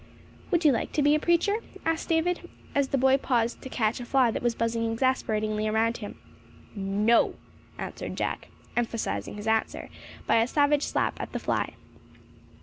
"Would you like to be a preacher?" asked David, as the boy paused to catch a fly that was buzzing exasperatingly around him. "No!" answered Jack, emphasizing his answer by a savage slap at the fly.